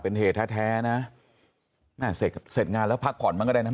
เป็นเหตุแท้นะแม่เสร็จงานแล้วพักผ่อนบ้างก็ได้นะ